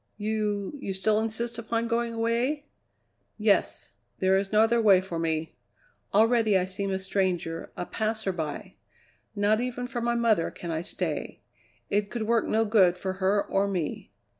"You you still insist upon going away?" "Yes. There is no other way for me. Already I seem a stranger, a passerby. Not even for my mother can I stay; it could work no good for her or me.